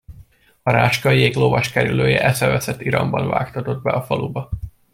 A Ráskayék lovas kerülője eszeveszett iramban vágtatott be a faluba.